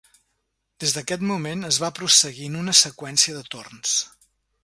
Des d'aquest moment, es va prosseguint una seqüència de torns.